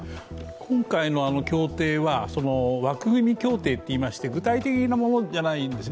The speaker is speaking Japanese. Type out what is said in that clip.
今回の協定は枠組み協定っていいまして具体的なものじゃないんですね。